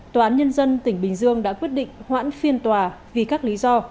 tòa án nhân dân tỉnh bình dương đã quyết định hoãn phiên tòa vì các lý do